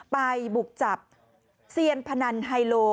ไปบุกจับเซียนพนันไฮโล